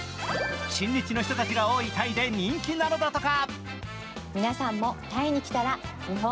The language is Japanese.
親日の人たちが多いタイで人気なのだとか。